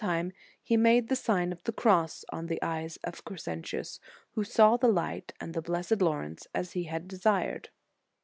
i6t time he made the Sign of the Cross on the eyes of Crescentius, who saw the light, and the blessed Laurence, as he had desired."